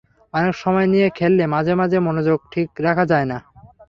অনেক সময় নিয়ে খেললে মাঝে মাঝে মনোযোগ ঠিক রাখা যায় না।